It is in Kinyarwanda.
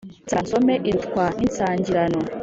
Nsabira nsome irutwa n’insangirano.